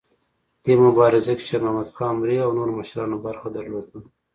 دې مبارزه کې شیرمحمد خان مري او نورو مشرانو برخه درلوده.